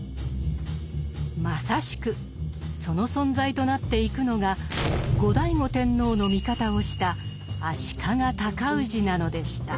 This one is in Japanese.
まさしくその存在となっていくのが後醍醐天皇の味方をした足利尊氏なのでした。